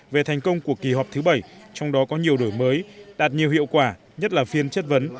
về thành công của kỳ họp thứ bảy trong đó có nhiều đổi mới đạt nhiều hiệu quả nhất là phiên chất vấn